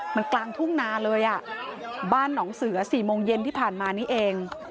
มันกลางทุ่งนาเลยอ่ะบ้านหนองเสือ๔โมงเย็นที่ผ่านมานี้เอง